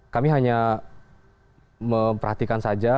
kami hanya memperhatikan saja